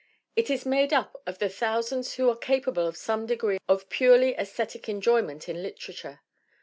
It is made up of the thousands who are capable of some degree of purely aesthetic enjoyment in literature.